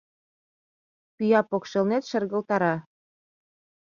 Пӱя покшелнет шергылтара.